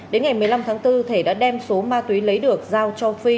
đến ngày một mươi năm tháng bốn thể đã đem số ma túy lấy được giao cho phi